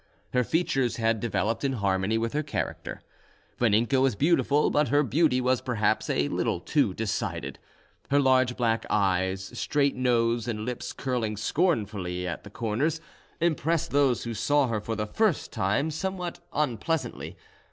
Her features had developed in harmony with her character. Vaninka was beautiful, but her beauty was perhaps a little too decided. Her large black eyes, straight nose, and lips curling scornfully at the corners, impressed those who saw her for the first time somewhat unpleasantly.